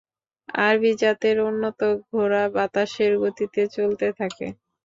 আরবি জাতের উন্নত ঘোড়া বাতাসের গতিতে চলতে থাকে।